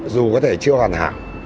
dù có thể chưa hoàn hảo